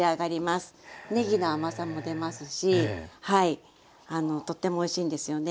ねぎの甘さも出ますしあのとってもおいしいんですよね。